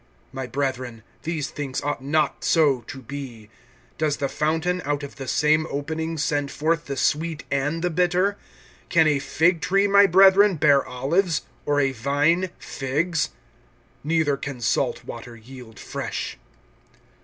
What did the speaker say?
My brethren, these things ought not so to be. (11)Does the fountain, out of the same opening, send forth the sweet and the bitter? (12)Can a fig tree, my brethren, bear olives, or a vine figs? Neither can salt water yield fresh.